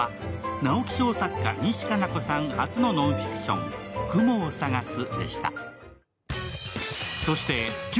直木賞作家・西加奈子さんの初のノンフィクション「くもをさがす」でした。